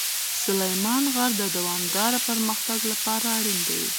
سلیمان غر د دوامداره پرمختګ لپاره اړین دی.